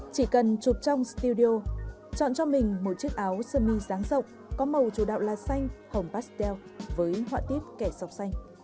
chỉ cần chụp trong studio chọn cho mình một chiếc áo xơ mi dáng rộng có màu chủ đạo là xanh hồng pastel với họa tiếp kẻ sọc xanh